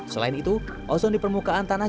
selain itu ozon di permukaan tanah